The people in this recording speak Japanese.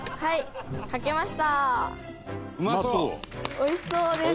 おいしそうです。